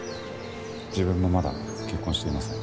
自分もまだ結婚していません。